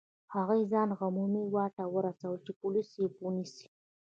هغوی ځان عمومي واټ ته ورسول چې پولیس یې ونیسي.